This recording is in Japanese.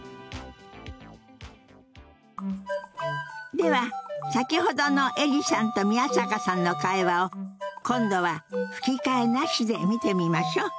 では先ほどのエリさんと宮坂さんの会話を今度は吹き替えなしで見てみましょう。